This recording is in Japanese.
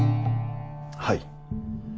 はい。